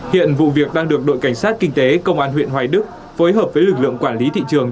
hiện vụ việc đang được đội cảnh sát kinh tế công an huyện hoài đức phối hợp với lực lượng quản lý thị trường